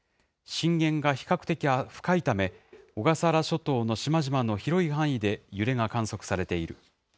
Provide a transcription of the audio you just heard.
震源が比較的深いため、小笠原諸島の島々の広い範囲で揺れが観測されている。